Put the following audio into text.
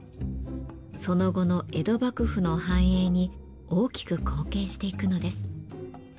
その後の江戸幕府の繁栄に大きく貢献していくのです。